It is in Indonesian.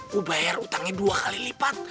gue bayar utangnya dua kali lipat